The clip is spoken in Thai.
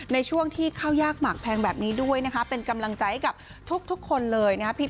ในช่วงที่ข้าวยากหมากแพงแบบนี้ด้วยนะคะเป็นกำลังใจให้กับทุกคนเลยนะครับ